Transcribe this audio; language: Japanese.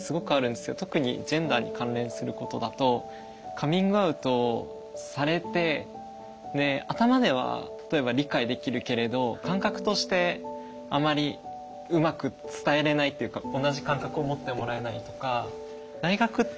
カミングアウトされて頭では例えば理解できるけれど感覚としてあまりうまく伝えれないっていうか同じ感覚を持ってもらえないとか。